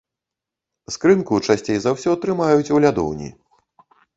Скрынку, часцей за ўсё, трымаюць у лядоўні.